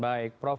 baik prof omar